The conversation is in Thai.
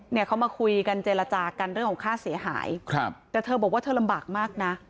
เนี่ยเขามาคุยกันเจรจากันเรื่องของค่าเสียหายครับแต่เธอบอกว่าเธอลำบากมากนะ